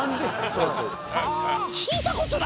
そうですそうです。